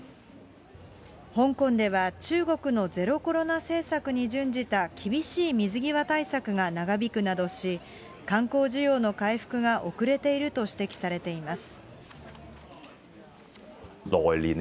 香港では、中国のゼロコロナ政策に準じた厳しい水際対策が長引くなどし、観光需要の回復が遅れていると指摘されています。